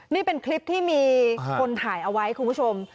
นี่เป็นคลิปที่มีคนถ่ายเอาไว้คุณผู้ชม